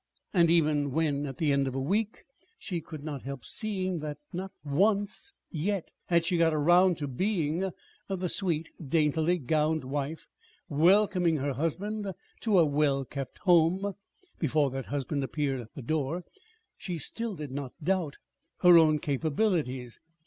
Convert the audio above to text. And even when at the end of a week she could not help seeing that not once yet had she got around to being the "sweet, daintily gowned wife welcoming her husband to a well kept home," before that husband appeared at the door, she still did not doubt her own capabilities.